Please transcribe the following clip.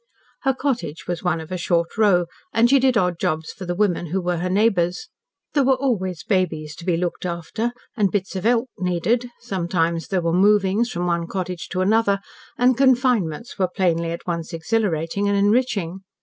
Her cottage was one of a short row, and she did odd jobs for the women who were her neighbours. There were always babies to be looked after, and "bits of 'elp" needed, sometimes there were "movings" from one cottage to another, and "confinements" were plainly at once exhilarating and enriching.